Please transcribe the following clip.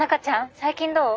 最近どう？